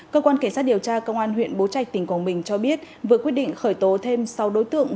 cơ quan cảnh sát điều tra công an huyện bố trạch tỉnh quảng bình cho biết vừa quyết định khởi tố thêm sáu đối tượng